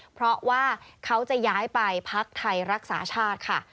เพราะว่าเขาจะย้ายไปพักไทยรักษาชาติค่ะ